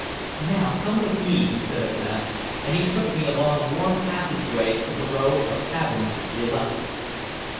"Now come with me," he said at last, and he took me along warm passageways to the row of cabins de luxe.